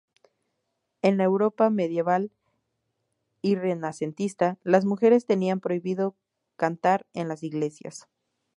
En la Europa medieval y renacentista, las mujeres tenían prohibido cantar en las iglesias.